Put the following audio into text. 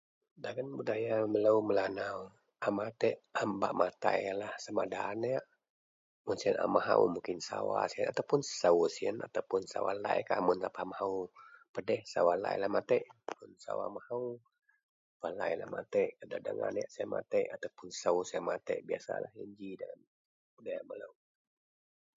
Dagen budaya melo melanau a matik a bak matai sama ada aniek atau sou mun sien a mahau sama ada a sawa sien aniek lai mun a mahau pedih sawa lai lah matik mun a lai sawa atau sou sien matik